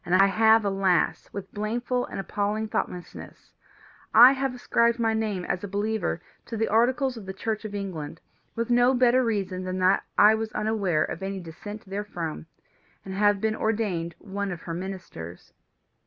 I have, alas, with blameful and appalling thoughtlessness I subscribed my name, as a believer, to the Articles of the Church of England, with no better reason than that I was unaware of any dissent therefrom, and have been ordained one of her ministers.